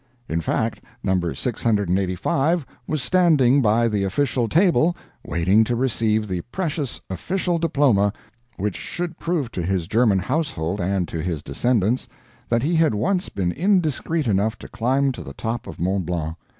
In fact No. 685 was standing by the official table waiting to receive the precious official diploma which should prove to his German household and to his descendants that he had once been indiscreet enough to climb to the top of Mont Blanc.